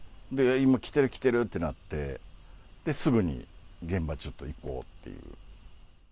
今、来てる来てるってなって、すぐに現場ちょっと行こうっていう。